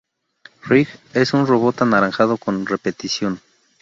Reg: Es un robot anaranjado con repetición.